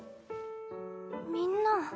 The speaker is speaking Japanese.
みんな。